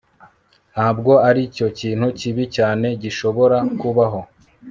Ntabwo aricyo kintu kibi cyane gishobora kubaho